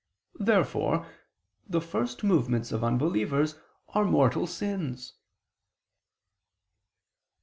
Therefore the first movements of unbelievers are mortal sins.